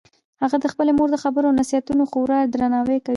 هغه د خپلې مور د خبرو او نصیحتونو خورا درناوی کوي